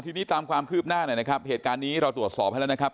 ทีนี้ตามความคืบหน้าหน่อยนะครับเหตุการณ์นี้เราตรวจสอบให้แล้วนะครับ